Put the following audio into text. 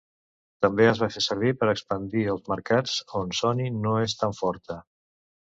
També es va fer servir per expandir als mercats on Sony no és tan forta.